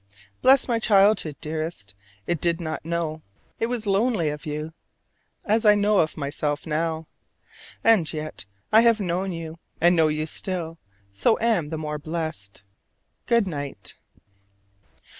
Bless my childhood, dearest: it did not know it was lonely of you, as I know of myself now! And yet I have known you, and know you still, so am the more blest. Good night.